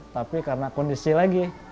tapi karena kondisi lagi